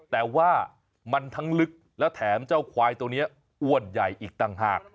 แต่ว่ามันทั้งลึกแล้วแถมเจ้าควายตัวนี้อ้วนใหญ่อีกต่างหาก